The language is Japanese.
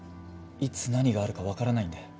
いつ何があるかわからないんで。